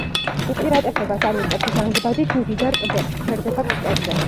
უპირატესობას ანიჭებს ჟანგბადით მდიდარ ტბებს, ჩერდება ფსკერზე.